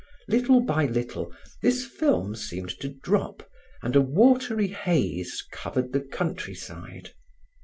Little by little, this film seemed to drop, and a watery haze covered the country side.